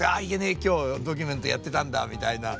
今日『ドキュメント』やってたんだ」みたいな。